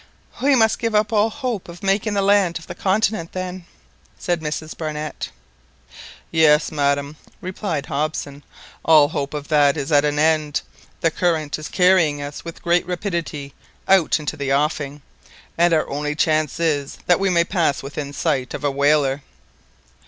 "We must give up all hope of making the land of the continent then!" said Mrs Barnett. "Yes, madam," replied Hobson; "all hope of that is at an end; the current is carrying us with great rapidity out into the offing, and our only chance is, that we may pass within sight of a whaler."